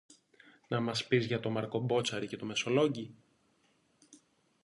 Να μας πεις για τον Μάρκο Μπότσαρη και το Μεσολόγγι;